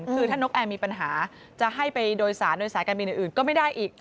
คือถ้านกแอร์มีปัญหาจะให้ไปโดยสารโดยสายการบินอื่นก็ไม่ได้อีก